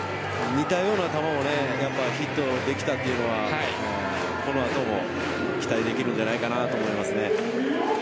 似たような球をヒットにできたというのはこの後も期待できるんじゃないかなと思います。